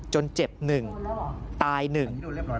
จนเจ็บหนึ่งตายหนึ่ง